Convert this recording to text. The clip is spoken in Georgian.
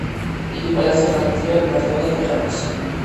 იგი ყველაზე ხანგრძლივად მართავდა ქვეყანას.